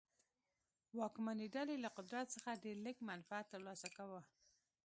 واکمنې ډلې له قدرت څخه ډېر لږ منفعت ترلاسه کاوه.